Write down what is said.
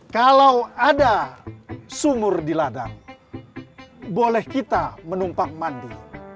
kalau ada sumur di ladang boleh kita menumpang mandi